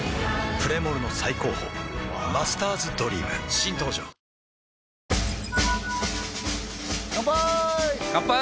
プレモルの最高峰「マスターズドリーム」新登場ワオ乾杯！